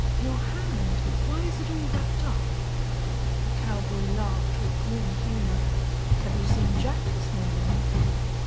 "Your hand! Why is it all wrapped up?" The cowboy laughed with grim humor. "Have you seen Jack this morning?"